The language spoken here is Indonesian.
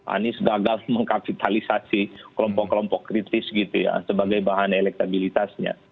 anies gagal mengkapitalisasi kelompok kelompok kritis gitu ya sebagai bahan elektabilitasnya